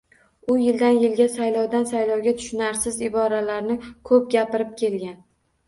U yildan yilga, saylovdan saylovga tushunarsiz iboralarni ko‘p gapirib kelgan